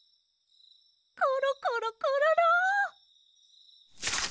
コロコロコロロ！